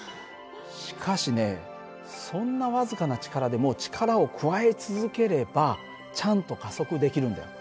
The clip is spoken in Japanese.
しかしねそんな僅かな力でも力を加え続ければちゃんと加速できるんだよ。